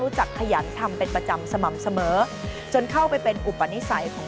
จากขยันทำเป็นประจำสม่ำเสมอจนเข้าไปเป็นอุปนิสัยของ